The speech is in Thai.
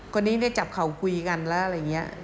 คนนี้ได้จับเข่าคุยกันแล้วอะไรอย่างนี้